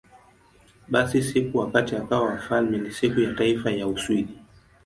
Basi, siku wakati akawa wafalme ni Siku ya Taifa ya Uswidi.